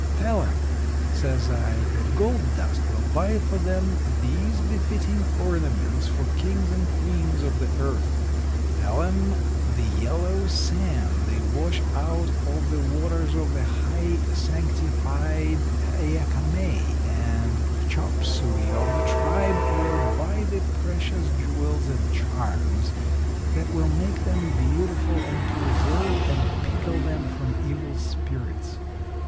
"'Tell 'em,' says I, 'that gold dust will buy for them these befitting ornaments for kings and queens of the earth. Tell 'em the yellow sand they wash out of the waters for the High Sanctified Yacomay and Chop Suey of the tribe will buy the precious jewels and charms that will make them beautiful and preserve and pickle them from evil spirits.